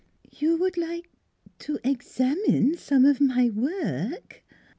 ' You would like to to examine some of my work?"